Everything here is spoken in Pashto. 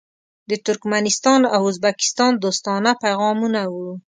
د ترکمنستان او ازبکستان دوستانه پیغامونه وو.